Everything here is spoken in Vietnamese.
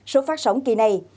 số phát sóng kỳ này